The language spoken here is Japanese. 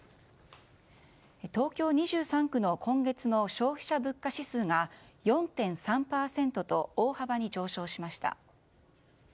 東京２３区の今月の消費者物価指数が４．３％と大幅に上昇しました。